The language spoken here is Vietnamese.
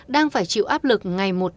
đang phải chịu áp lực ngày một tăng